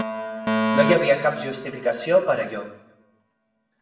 No hi havia cap justificació per allò.